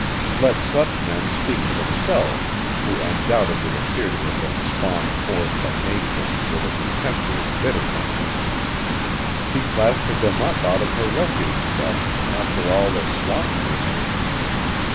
Let such men speak for themselves, who undoubtedly appear to have been spawned forth by Nature with a contemptuous bitterness; she plastered them up out of her refuse stuff, after all the swine were made.